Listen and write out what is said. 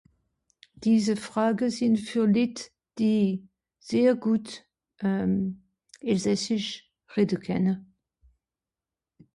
diese frage sind für lit die sehr gut euh elsassich rede kenne